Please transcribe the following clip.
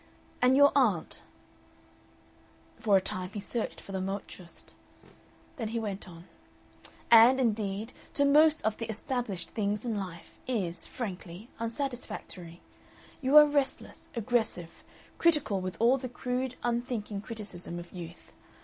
" and your aunt " For a time he searched for the mot juste. Then he went on: " and, indeed, to most of the established things in life is, frankly, unsatisfactory. You are restless, aggressive, critical with all the crude unthinking criticism of youth.